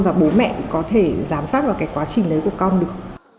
và bố mẹ có thể giám sát vào cái quá trình đấy của con được